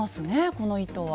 この糸は。